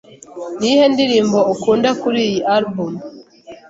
Niyihe ndirimbo ukunda kuri iyi alubumu?